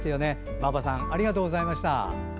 ばぁばさんありがとうございました。